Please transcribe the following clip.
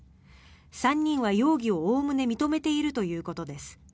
３人は容疑をおおむね認めているということです。